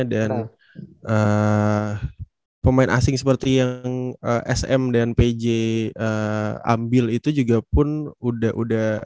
dan pemain asing seperti yang sm dan pj ambil itu juga pun udah